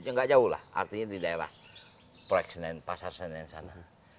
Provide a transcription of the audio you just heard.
nggak jauh lah artinya di daerah pasar senen sana